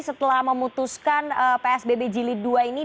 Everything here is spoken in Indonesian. setelah memutuskan psbb jilid dua ini